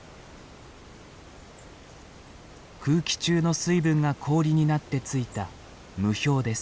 空気中の水分が氷になって付いた霧氷です。